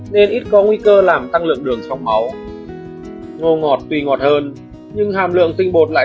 nên ít có nguy cơ làm tăng lượng đường trong máu ngô ngọt tuy ngọt hơn nhưng hàm lượng tinh bột lại